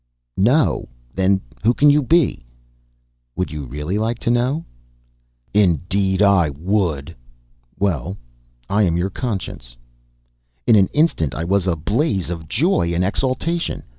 "No? Then who can you be?" "Would you really like to know?" "Indeed I would." "Well, I am your Conscience!" In an instant I was in a blaze of joy and exultation.